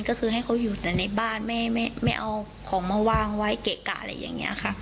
ก็คือให้เขาอยู่แต่ในบ้านไม่เอาของมาวางไว้เกะกะอะไรอย่างนี้ค่ะ